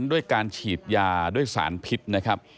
ด้วยการฉีดยาด้วยสารพิษนะครับ